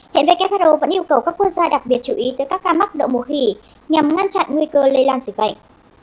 hiện who vẫn yêu cầu các quốc gia đặc biệt chú ý tới các ca mắc đậu mùa khỉ nhằm ngăn chặn nguy cơ lây lan dịch bệnh